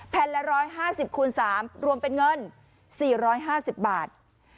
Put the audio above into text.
ละ๑๕๐คูณ๓รวมเป็นเงิน๔๕๐บาท